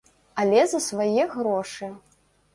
Але за свае грошы.